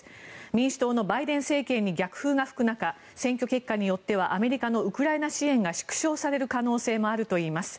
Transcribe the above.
民主党のバイデン政権に逆風が吹く中選挙結果によってはアメリカのウクライナ支援が縮小される可能性があるといいます。